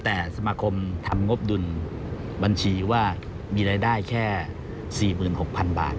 แต่สมาคมทำงบดุลบัญชีว่ามีรายได้แค่๔๖๐๐๐บาท